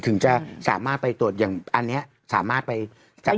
ถึงจะสามารถไปตรวจอย่างอันนี้สามารถไปจับ